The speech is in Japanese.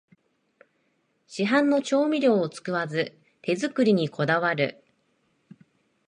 市販の調味料を使わず手作りにこだわる